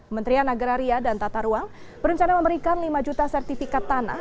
menterian agraria dan tata ruang berencana memberikan lima juta sertifikat tanah